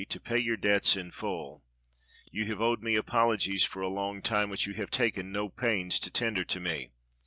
"To pay your debts in full. You have owed me apologies for a long time which you have taken no pains to tender to me.